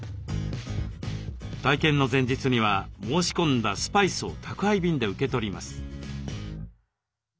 体験の前日には申し込んだスパイスを宅配便で受け取ります。